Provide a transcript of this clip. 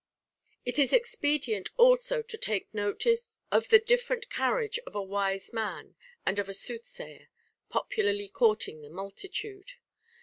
It is expedient also to take notice of the different carriage of a wise man and of a soothsayer popularly courting the multitude.